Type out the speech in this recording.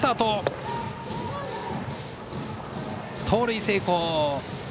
盗塁成功。